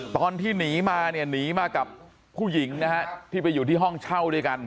ตอนที่หนีมากับผู้หญิงที่ไปอยู่ที่ห้องเช่ากัน